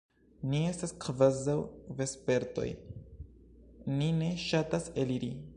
Ni estas kvazaŭ vespertoj: ni ne ŝatas eliri.